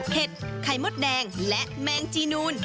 ไข่มดแดงและแมงจีนูน